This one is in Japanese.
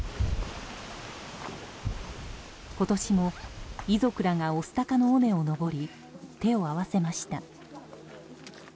今年も遺族らが御巣鷹の尾根を上り手を合わせました。